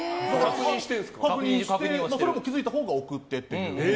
確認して、それも気づいたほうが送ってっていう。